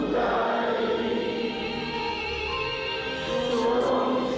การถ่ายทราบ